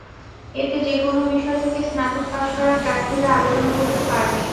এতে যেকোনো বিষয় থেকে স্নাতক পাস করা প্রার্থীরা আবেদন করতে পারবেন।